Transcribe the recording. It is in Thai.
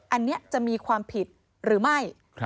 อันนี้จะมีความผิดหรือไม่